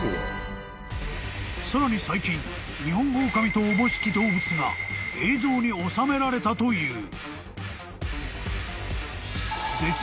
［さらに最近ニホンオオカミとおぼしき動物が映像に収められたという］